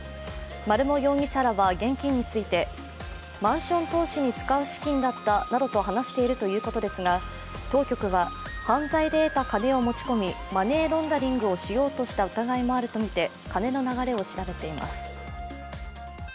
丸茂容疑者らは現金について、マンション投資に使う資金だったなどと話しているということですが、当局は犯罪で得た金を持ち込みマネーロンダリングをしようとした疑いもあるとみて金の流れを調べています。